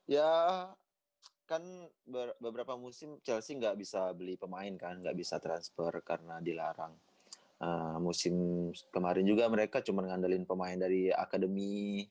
ya kan beberapa musim chelsea nggak bisa beli pemain kan nggak bisa transfer karena dilarang musim kemarin juga mereka cuma ngandelin pemain dari akademi